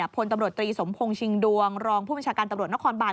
พลตำรวจตรีสมพงศ์ชิงดวงรองผู้บัญชาการตำรวจนครบาน